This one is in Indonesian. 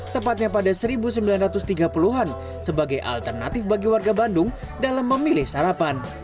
tepatnya pada seribu sembilan ratus tiga puluh an sebagai alternatif bagi warga bandung dalam memilih sarapan